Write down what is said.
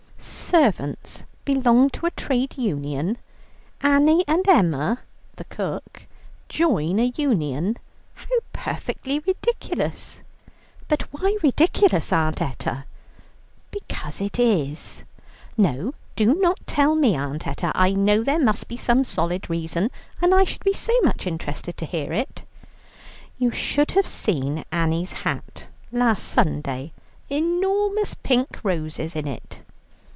"Servants belong to a Trade Union, Annie and Emma" (the cook) "join a Union. How perfectly ridiculous!" "But why ridiculous, Aunt Etta?" "Because it is." "No, but do tell me, Aunt Etta. I know there must be some solid reason, and I should be so much interested to hear it." "You should have seen Annie's hat last Sunday: enormous pink roses in it."